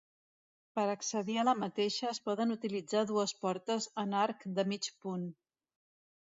Per accedir a la mateixa es poden utilitzar dues portes en arc de mig punt.